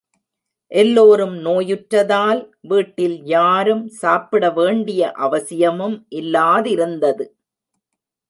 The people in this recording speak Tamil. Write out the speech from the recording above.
எல்லோரும் நோயுற்றதால், வீட்டில் யாரும் சாப்பிட வேண்டிய அவசியமும் இல்லாதிருந்தது.